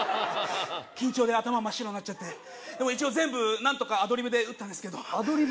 緊張で頭真っ白になっちゃってでも一応全部何とかアドリブでうったんですけどアドリブ？